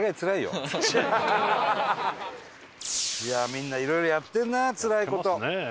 みんないろいろやってるなつらい事。